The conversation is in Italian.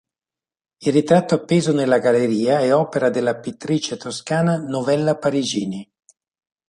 Il ritratto appeso nella galleria è opera della pittrice toscana Novella Parigini.